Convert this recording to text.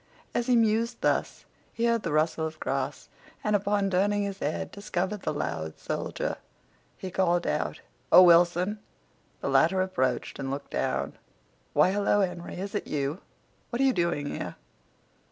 As he mused thus he heard the rustle of grass, and, upon turning his head, discovered the loud soldier. He called out, "Oh, Wilson!" The latter approached and looked down. "Why, hello, Henry; is it you? What are you doing here?"